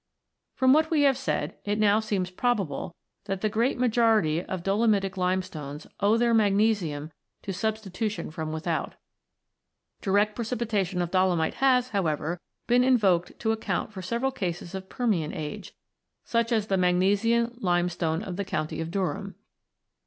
From what we have said, it now seems probable that the great majority of dolomitic limestones owe their magnesium to substitution from without. Direct n] THE LIMESTONES 35 precipitation of dolomite has, however, been invoked to account for several cases of Permian age, such as the Magnesian Limestone of the county of Durham.